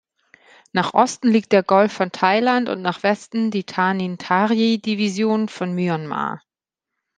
Nach Osten liegt der Golf von Thailand und nach Westen die Tanintharyi-Division von Myanmar.